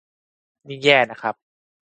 นี่แย่นะครับ